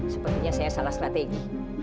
sepertinya saya salah strategi